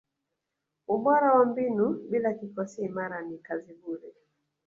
ubora wa mbinu bila kikosi imara ni kazi bure